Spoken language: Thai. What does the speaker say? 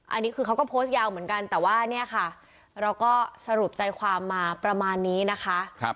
อันนี้คือเขาก็โพสต์ยาวเหมือนกันแต่ว่าเนี่ยค่ะเราก็สรุปใจความมาประมาณนี้นะคะ